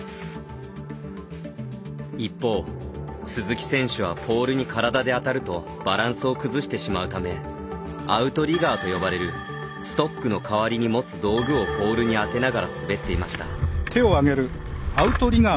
一方、鈴木選手はポールに体で当たるとバランスを崩してしまうためアウトリガーと呼ばれるストックの代わりに持つ道具をポールに当てながら滑っていました。